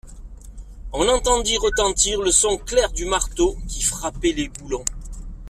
On entendit retentir le son clair du marteau qui frappait les boulons.